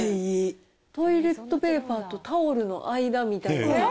トイレットペーパーとタオルの間みたいな。